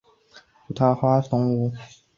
尖腹园蛛为园蛛科园蛛属的动物。